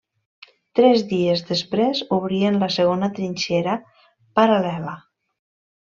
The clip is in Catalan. Tres dies després obrien la segona trinxera paral·lela.